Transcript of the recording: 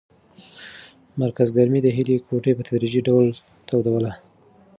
مرکز ګرمۍ د هیلې کوټه په تدریجي ډول تودوله.